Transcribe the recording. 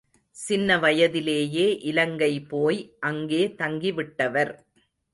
சின்னவயதிலேயே இலங்கை போய் அங்கே தங்கி விட்டவர்.